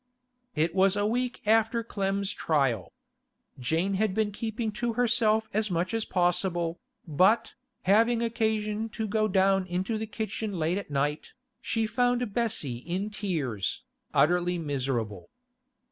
It was a week after Clem's trial. Jane had been keeping to herself as much as possible, but, having occasion to go down into the kitchen late at night, she found Bessie in tears, utterly miserable.